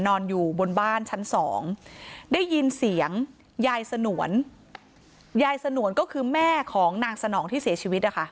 นอนอยู่บนบ้านชั้นสองได้ยินเสียงยายสนวนยายสนวนก็คือแม่ของนางสนองที่เสียชีวิตนะคะ